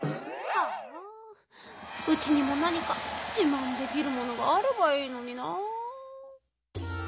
うちにもなにかじまんできるものがあればいいのにな。